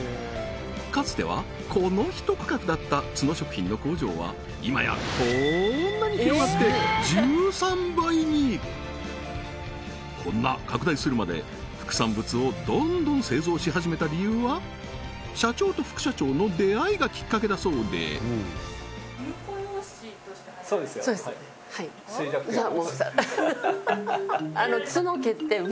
かつてはこのひと区画だった築野食品の工場は今やこんなに広がってこんな拡大するまで副産物をどんどん製造し始めた理由は社長と副社長の出会いがきっかけだそうですごいねうわ